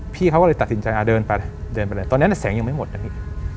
พี่เขาก็เลยตัดสินใจเดินไปเดินไปเลยตอนนั้นแสงยังไม่หมดนะพี่